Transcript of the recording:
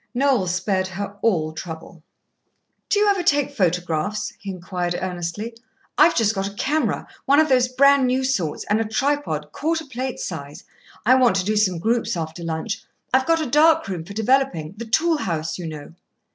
Noel spared her all trouble. "Do you ever take photographs?" he inquired earnestly. "I've just got a camera, one of those bran new sorts, and a tripod, quarter plate size. I want to do some groups after lunch. I've got a dark room for developing, the tool house, you know."